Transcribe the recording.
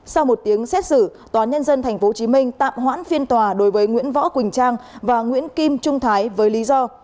sau một tiếng xét xử tòa nhân dân tp hcm tạm hoãn phiên tòa đối với nguyễn võ quỳnh trang và nguyễn kim trung thái với lý do